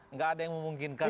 nggak ada yang memungkinkan